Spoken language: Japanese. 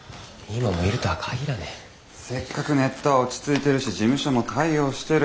せっかくネットは落ち着いてるし事務所も対応してる。